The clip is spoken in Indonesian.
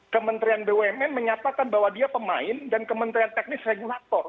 kementerian bumn menyatakan bahwa dia pemain dan kementerian teknis regulator